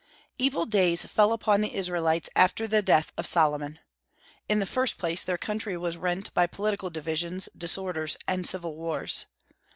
Evil days fell upon the Israelites after the death of Solomon. In the first place their country was rent by political divisions, disorders, and civil wars.